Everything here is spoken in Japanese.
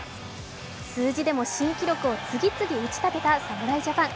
数字でも新記録を次々打ち立てた侍ジャパン。